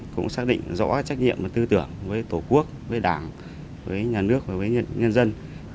cũng xác định rõ trách nhiệm và tư tưởng với tổ quốc với đảng với nhà nước và với nhân dân